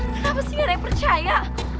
kenapa sih ada yang percaya